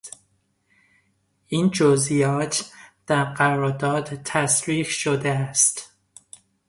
این جزئیات در قرارداد تصریح شده است.